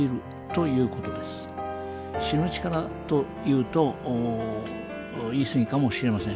死ぬ力と言うと言い過ぎかもしれません。